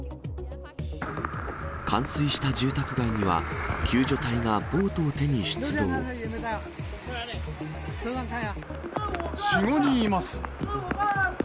冠水した住宅街には、４、５人います。